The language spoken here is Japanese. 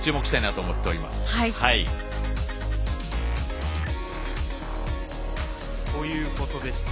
ということでした。